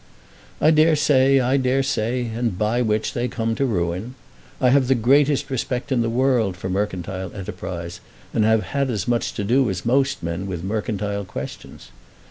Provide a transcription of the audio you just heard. "I dare say; I dare say; and by which they come to ruin. I have the greatest respect in the world for mercantile enterprise, and have had as much to do as most men with mercantile questions.